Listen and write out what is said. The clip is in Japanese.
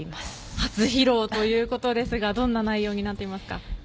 初披露ということですがどんな内容になっていますか？